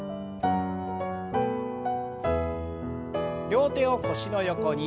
両手を腰の横に。